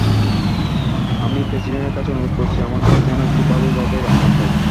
আমি প্রেসিডেন্টের কাছে অনুরোধ করছি, আমাকে যেন একটি ভালো জায়গায় রাখা হয়।